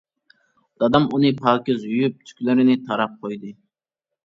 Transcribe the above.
دادام ئۇنى پاكىز يۇيۇپ، تۈكلىرىنى تاراپ قويدى.